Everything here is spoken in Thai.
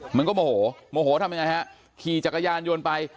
มันก็โมโหโมโหทำยังไงฮะขี่จักรยานยนต์ไป